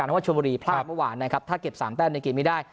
เพราะว่าชมบุรีพลาดเมื่อวานนะครับถ้าเก็บ๓แต้มในเกมนี้ได้